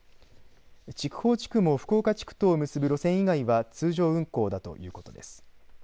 筑豊地区も福岡地区とを結ぶ路線以外は通常運行だということです。